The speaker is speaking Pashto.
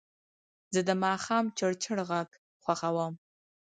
زه د ماښام چړچړ غږ خوښوم.